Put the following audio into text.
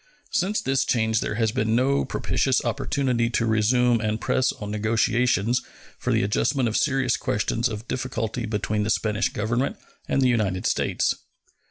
Since this change there has been no propitious opportunity to resume and press on negotiations for the adjustment of serious questions of difficulty between the Spanish Government and the United States.